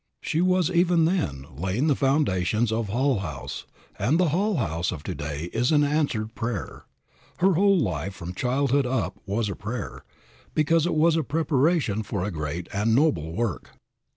She was even then laying the foundations of Hull House, and the Hull House of to day is an answered prayer. Her whole life from childhood up was a prayer, because it was a preparation for a great and noble work.